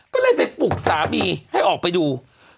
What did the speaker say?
ก็เลยไปปลุกสามีให้ออกไปดู